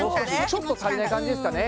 ちょっと足りない感じですかね？